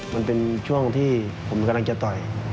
มันเป็นช่วงที่ผมกำลังจะต่อย